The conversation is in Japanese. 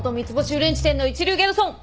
フレンチ店の一流ギャルソン！